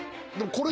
これ。